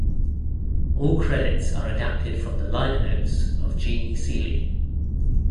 All credits are adapted from the liner notes of "Jeannie Seely".